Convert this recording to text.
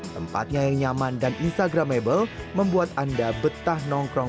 tempatnya yang nyaman dan instagramable membuat anda betah nongkrong